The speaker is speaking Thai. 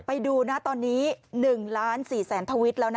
ไปดูนะตอนนี้๑ล้าน๔แสนทวิตแล้วนะ